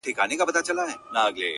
• چي د چا پر سر یې باز وي کښېنولی ,